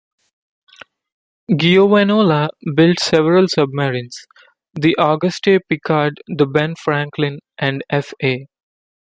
Giovanola built several submarines: the "Auguste Piccard", the "Ben Franklin" and the "F.-A.